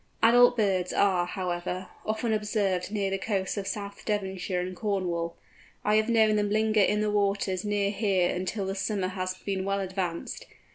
Adult birds are, however, often observed near the coasts of South Devonshire and Cornwall. I have known them linger in the waters near here until the summer has been well advanced.